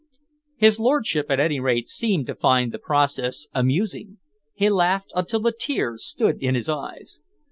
His lordship at any rate seemed to find the process amusing. He laughed until the tears stood in his eyes.